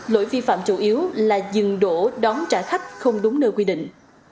lỗi vi phạm chủ yếu là dừng đổ đón trả khách không đúng nơi quy định